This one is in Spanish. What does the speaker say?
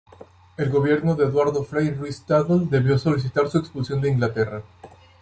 El Gobierno de Eduardo Frei Ruiz-Tagle debió solicitar su expulsión de Inglaterra.